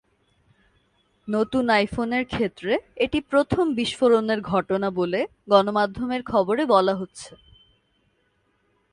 নতুন আইফোনের ক্ষেত্রে এটি প্রথম বিস্ফোরণের ঘটনা বলে গণমাধ্যমের খবরে বলা হচ্ছে।